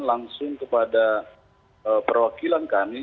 langsung kepada perwakilan kami